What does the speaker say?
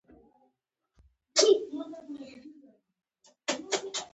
هغې خپله خور را و بلله